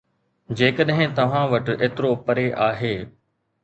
جيڪڏهن توهان وٽ ايترو پري آهي